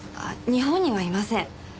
日本にはいません。